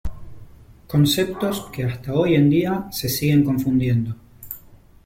Conceptos que hasta hoy en día se siguen confundiendo.